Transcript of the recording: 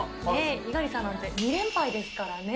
猪狩さんなんて２連敗ですからね。